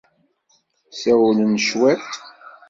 Ssawlen cwiṭ.